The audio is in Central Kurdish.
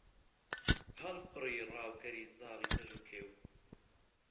هەڵفڕی ڕاوکەری زاڵی کەژ و کێو